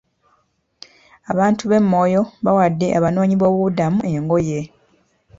Abantu b'e Moyo bawadde abanoonyi boobubudamu engoye.